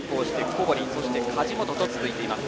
小堀、梶本と続いています。